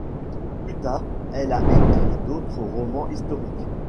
Plus tard, elle a écrit d'autres romans historiques.